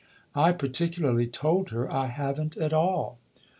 " I particularly told her I haven't at all."